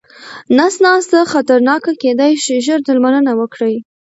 نس ناسته خطرناکه کيداې شي، ژر درملنه وکړئ.